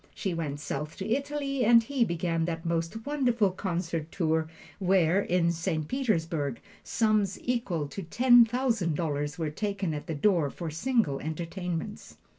She went south to Italy, and he began that most wonderful concert tour, where, in Saint Petersburg, sums equal to ten thousand dollars were taken at the door for single entertainments.